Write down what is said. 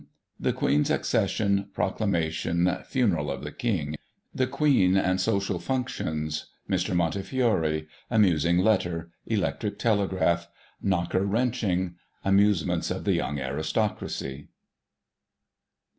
The Queen's Accession — Proclamation — Funeral of the King — The Queen and social functions — Mr. Montefiore — Amusing letter — Electric telegraph — Knocker wrenching — Amusements of the young aristocracy.